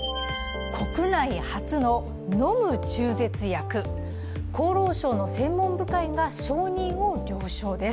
国内初の飲む中絶薬、厚労省の専門部会が承認を了承です。